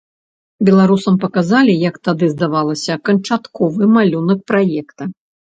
Беларусам паказалі, як тады здавалася, канчатковы малюнак праекта.